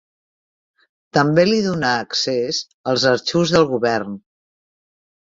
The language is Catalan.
També li donà accés als arxius del govern.